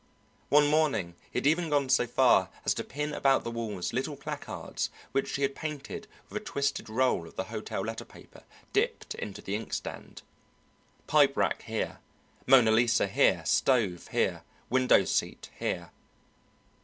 One morning he had even gone so far as to pin about the walls little placards which he had painted with a twisted roll of the hotel letter paper dipped into the inkstand. "Pipe rack Here." "Mona Lisa Here." "Stove Here." "Window seat Here."